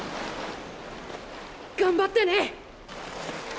頑張ってね！